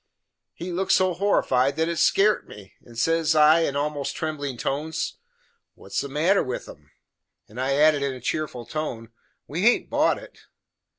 He looked so horrified that it skairt me, and says I in almost tremblin' tones: "What is the matter with 'em?" And I added in a cheerful tone, "we haint bought it."